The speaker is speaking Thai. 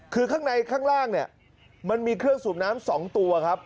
คือข้างในข้างล่างเนี่ยมันมีเครื่องสูบน้ำ๒ตัวครับ